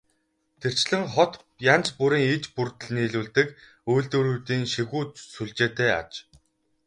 Тэрчлэн хот янз бүрийн иж бүрдэл нийлүүлдэг үйлдвэрүүдийн шигүү сүлжээтэй аж.